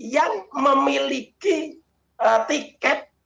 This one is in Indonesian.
yang memiliki tiket